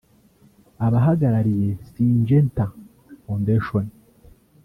Abahagarariye Syngenta foundation